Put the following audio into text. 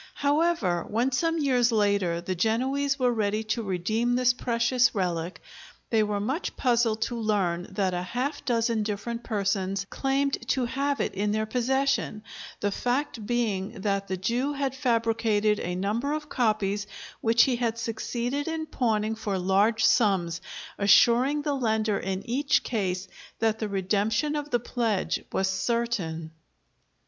However, when some years later the Genoese were ready to redeem this precious relic, they were much puzzled to learn that a half dozen different persons claimed to have it in their possession, the fact being that the Jew had fabricated a number of copies which he had succeeded in pawning for large sums, assuring the lender in each case that the redemption of the pledge was certain.